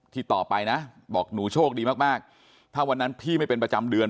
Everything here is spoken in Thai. ต่อไปนะบอกหนูโชคดีมากมากถ้าวันนั้นพี่ไม่เป็นประจำเดือน